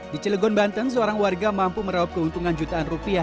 di cilegon banten seorang warga mampu meraup keuntungan jutaan rupiah